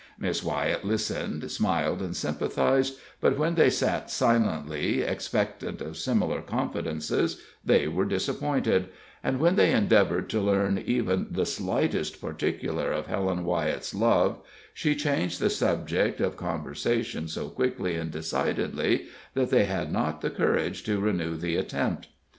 Miss Wyett listened, smiled and sympathized, but when they sat silently expectant of similar confidences, they were disappointed, and when they endeavored to learn even the slightest particular of Helen Wyett's love, she changed the subject of conversation so quickly and decidedly that they had not the courage to renew the attempt.